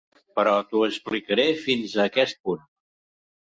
Però t'ho explicaré fins a aquest punt.